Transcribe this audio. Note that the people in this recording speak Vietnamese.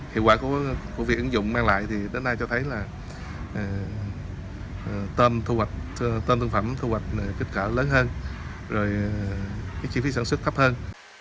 hiệu quả của việc ứng dụng mang lại đến nay cho thấy là tôm thương phẩm thu hoạch kích cỡ lớn hơn rồi chi phí sản xuất thấp hơn